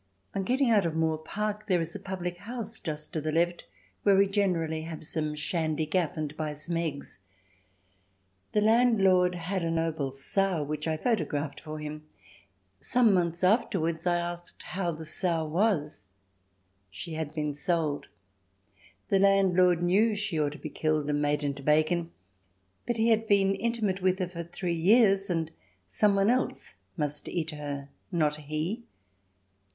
On getting out of Moor Park there is a public house just to the left where we generally have some shandy gaff and buy some eggs. The landlord had a noble sow which I photographed for him; some months afterwards I asked how the sow was. She had been sold. The landlord knew she ought to be killed and made into bacon, but he had been intimate with her for three years and some one else must eat her, not he.